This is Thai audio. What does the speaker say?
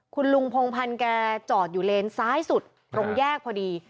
คุณลุงพงพันธ์แกจอดอยู่เลนซ้ายสุดตรงแยกพอดี